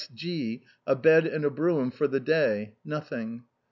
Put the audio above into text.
S. G a bed and a brougham for the day (nothing).